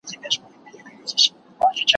زه هره ورځ سبزیجات جمع کوم!.